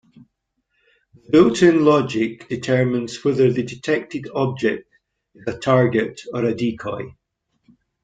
The built-in logic determines whether the detected object is a target or a decoy.